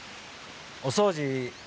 お掃除